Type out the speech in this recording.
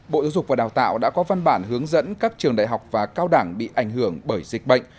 bộ giáo dục và đào tạo đã có văn bản hướng dẫn các trường đại học và cao đẳng bị ảnh hưởng bởi dịch bệnh